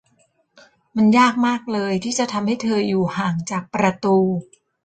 มันยากมากเลย ที่จะทำให้เธออยู่ห่างจากประตู